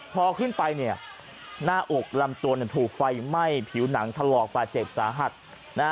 พอขึ้นไปหน้าอกรำตัวถูกไฟใหม่ผิวหนังทะลอกบาดเจ็บสาธัตร